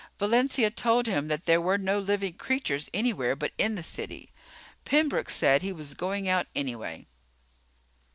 Valencia told him that there were no living creatures anywhere but in the city. Pembroke said he was going out anyway.